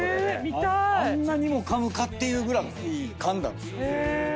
あんなにもかむかっていうぐらいかんだんですよ。